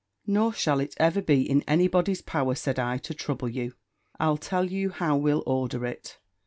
"Nor shall it ever be in any body's power," said I, "to trouble you: I'll tell you how we'll order it."